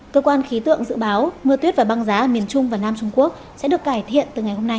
cơ quan khí tượng dự báo mưa tuyết và băng giá ở miền trung và nam trung quốc sẽ được cải thiện từ ngày hôm nay